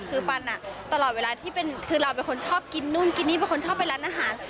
คือปันตลอดเวลาที่เป็นคือเราเป็นคนชอบกินนู่นกินนี่เป็นคนชอบไปร้านอาหาร